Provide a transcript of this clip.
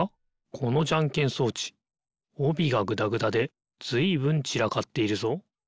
このじゃんけん装置おびがぐだぐだでずいぶんちらかっているぞ。